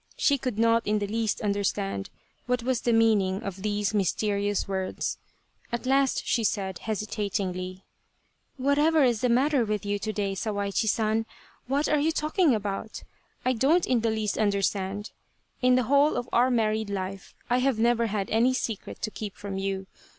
She could not in the least understand what was the meaning of these mysterious words. At last she said, hesita tingly :" Whatever is the matter with you to day, Sawaichi San ? What are you talking about f I don't in the least understand. In the whole of our married life I have never had any secret to keep from you.